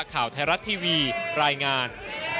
ข่าวไทยรัฐทีวีรายงาน